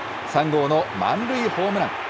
３号の満塁ホームラン。